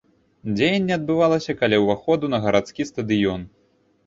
Дзеянне адбывалася каля ўваходу на гарадскі стадыён.